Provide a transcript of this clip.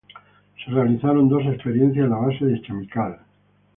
Se realizaron dos experiencias en la base de Chamical.